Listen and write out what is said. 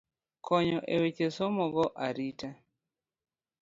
Konyo e weche somo go arita.